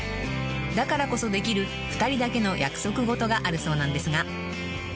［だからこそできる２人だけの約束事があるそうなんですが］